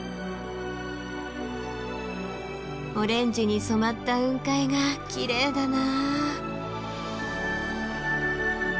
オレンジに染まった雲海がきれいだな。